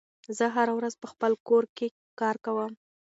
زه هره ورځ په خپل کور کې کار کوم.